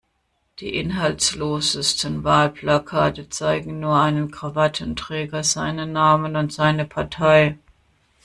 Die inhaltslosesten Wahlplakate zeigen nur einen Krawattenträger, seinen Namen und seine Partei.